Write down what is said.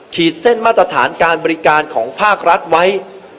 ขีดเส้นมาตรฐานการบริการของภาครัฐไว้